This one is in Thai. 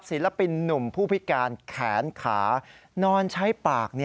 ศิลปินหนุ่มผู้พิการแขนขานอนใช้ปาก